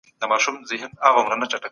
تاسو به له منفي بحثونو څخه ځان خلاصوئ.